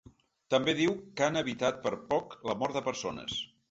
També diu que han evitat per poc la mort de persones.